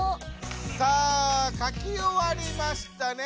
さあ書きおわりましたね。